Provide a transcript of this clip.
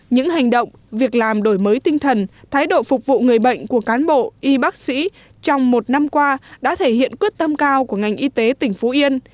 những hành động việc làm đổi mới tinh thần thái độ phục vụ người bệnh của cán bộ y bác sĩ trong một năm qua đã thể hiện quyết tâm cao của ngành y tế tỉnh phú yên